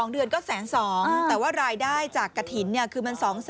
๒เดือนก็๑๒๐๐แต่ว่ารายได้จากกระถิ่นคือมัน๒๐๐๐